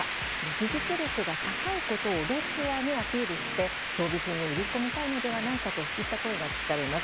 技術力が高いことをロシアにアピールして装備品を売り込みたいのではないかといった声が聞かれます。